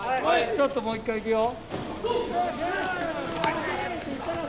ちょっともう１回いくよ。